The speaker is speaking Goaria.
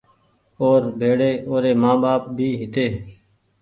اور ڀيڙي اوري مآن ٻآپ بي هيتي